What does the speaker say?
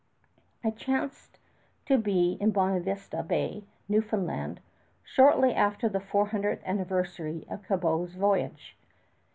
I chanced to be in Bonavista Bay, Newfoundland, shortly after the 400th anniversary of Cabot's voyage.